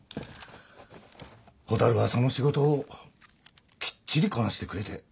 蛍はその仕事をきっちりこなしてくれて。